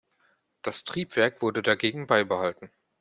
Das Triebwerk wurde dagegen beibehalten.